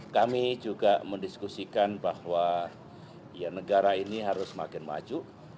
kami juga mendiskusikan bahwa negara ini harus semakin maju